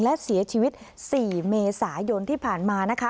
และเสียชีวิต๔เมษายนที่ผ่านมานะคะ